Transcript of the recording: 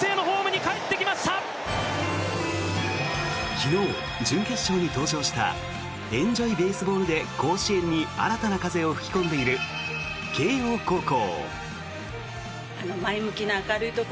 昨日、準決勝に登場したエンジョイ・ベースボールで甲子園に新たな風を吹き込んでいる慶応高校。